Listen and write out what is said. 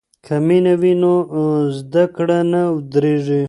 که مینه وي نو زده کړه نه ودریږي.